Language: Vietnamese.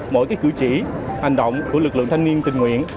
mỗi cử chỉ hành động của lực lượng thanh niên tình nguyện